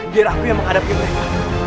biar aku yang menghadapi mereka